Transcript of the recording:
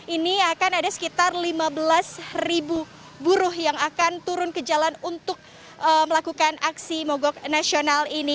ini akan ada sekitar lima belas ribu buruh yang akan turun ke jalan untuk melakukan aksi mogok nasional ini